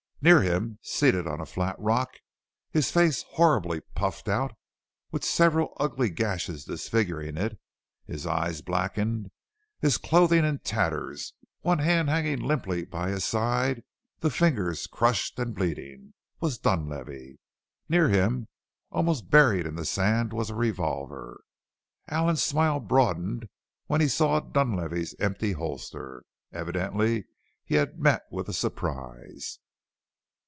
Near him, seated on a flat rock, his face horribly puffed out, with several ugly gashes disfiguring it, his eyes blackened, his clothing in tatters, one hand hanging limply by his side, the fingers crushed and bleeding, was Dunlavey! Near him, almost buried in the sand, was a revolver. Allen's smile broadened when he saw Dunlavey's empty holster. Evidently he had met with a surprise!